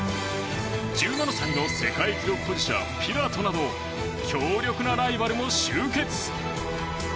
１７歳の世界記録保持者ピラトなど強力なライバルも集結。